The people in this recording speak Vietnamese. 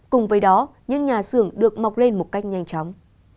cùng với đó những nhà xưởng